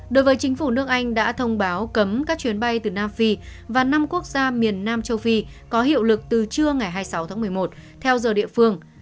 đối với chính phủ nước anh đã thông báo cấm các chuyến bay từ nam phi và năm quốc gia miền nam châu phi có hiệu lực từ trưa ngày hai mươi sáu tháng một mươi một theo giờ địa phương